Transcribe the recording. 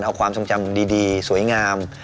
เอาความทรงจำดีสวยงาม